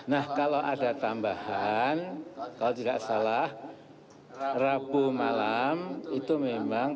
nah kalau ada tambahan kalau tidak salah rabu malam itu memang